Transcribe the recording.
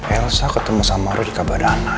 elsa ketemu sama roy di cabana night